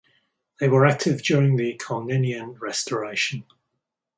They were active during the Komnenian restoration.